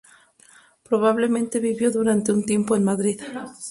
Probablemente vivió durante un tiempo en Madrid.